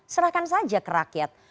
serahkan saja ke rakyat